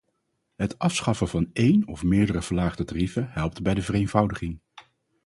Het afschaffen van één of meerdere verlaagde tarieven helpt bij de vereenvoudiging.